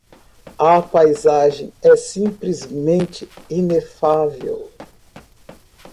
A paisagem é simplesmente inefável.